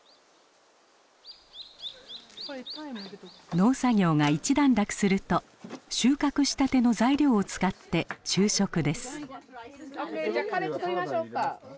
農作業が一段落すると収穫したての材料を使って昼食です。